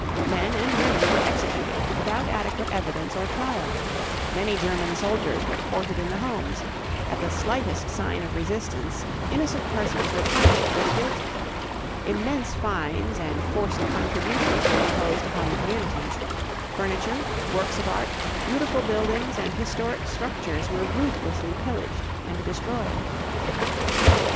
Men and women were executed without adequate evidence or trial; many German soldiers were quartered in the homes; at the slightest sign of resistance innocent persons were punished for the guilty; immense fines and forced contributions were imposed upon the communities; furniture, works of art, beautiful buildings, and historic structures were ruthlessly pillaged and destroyed.